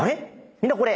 みんなこれ。